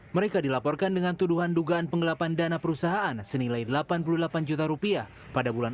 mereka dilaporkan dengan tuduhan dugaan penggelapan dana perusahaan senilai delapan puluh delapan juta rupiah pada bulan